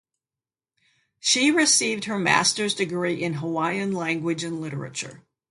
She received her masters degree in Hawaiian language and literature.